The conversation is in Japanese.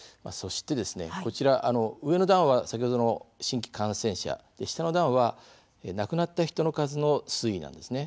こちら上の段は先ほどの新規感染者で、下の段は亡くなった人の数の推移なんです。